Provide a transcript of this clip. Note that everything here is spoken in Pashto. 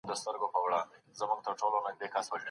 خپل ځان ته د یو اتل په سترګه وګورئ.